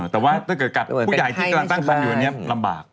แต่ว่าถ้าเกิดกับผู้ใหญ่ที่กำลังตั้งคันอยู่อันนี้ผมลำบาก